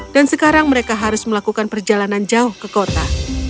dan sekarang mereka harus melakukan perjalanan jauh ke kota